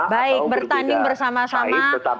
baik bertanding bersama sama